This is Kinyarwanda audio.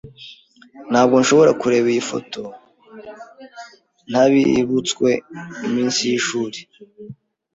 Ntabwo nshobora kureba iyi foto ntabibutswe iminsi yishuri.